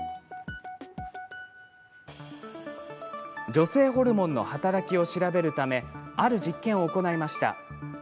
女性ホルモンの働きを調べるためある実験を行いました。